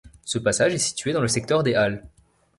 Ce passage est situé dans le secteur des Halles.